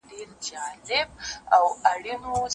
ځوانیمرګه مي ځواني کړه، د خیالي ګلو په غېږ کي